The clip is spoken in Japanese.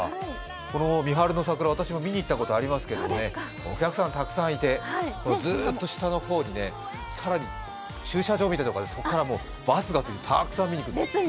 この三春の桜、私も見に行ったことがありますけれどもお客さんがたくさんいてずっと下の方に更に駐車場みたいなところに着いてそこからもうバスが続いてたくさん見に来る。